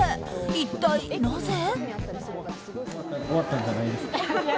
一体なぜ？